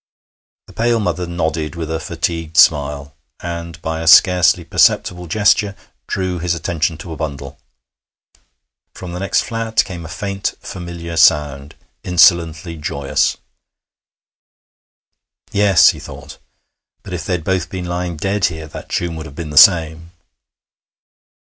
The pale mother nodded with a fatigued smile, and by a scarcely perceptible gesture drew his attention to a bundle. From the next flat came a faint, familiar sound, insolently joyous. 'Yes,' he thought, 'but if they had both been lying dead here that tune would have been the same.'